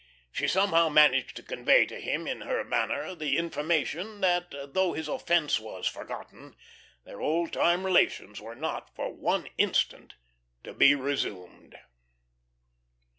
She somehow managed to convey to him in her manner the information that though his offence was forgotten, their old time relations were not, for one instant, to be resumed.